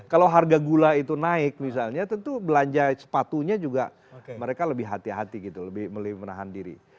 kalau harga gula itu naik misalnya tentu belanja sepatunya juga mereka lebih hati hati gitu lebih menahan diri